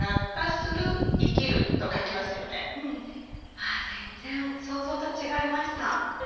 わ全然想像と違いました。